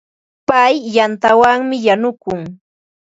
Pay yantawanmi yanukun.